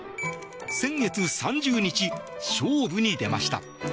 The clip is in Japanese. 先月３０日、勝負に出ました。